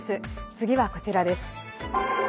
次はこちらです。